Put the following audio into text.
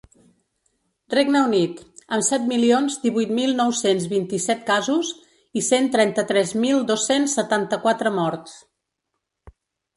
Regne Unit, amb set milions divuit mil nou-cents vint-i-set casos i cent trenta-tres mil dos-cents setanta-quatre morts.